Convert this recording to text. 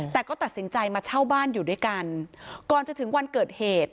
แต่ก็ตัดสินใจมาเช่าบ้านอยู่ด้วยกันก่อนจะถึงวันเกิดเหตุ